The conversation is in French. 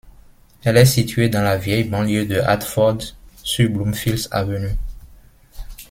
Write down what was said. Elle est située dans la vieille banlieue de Hartford, sur Bloomfiels avenue.